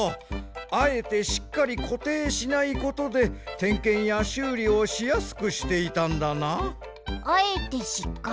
あえてしっかりこていしないことでてんけんやしゅうりをしやすくしていたんだな。